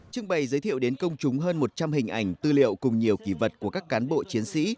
trưng bày giới thiệu đến công chúng hơn một trăm linh hình ảnh tư liệu cùng nhiều kỳ vật của các cán bộ chiến sĩ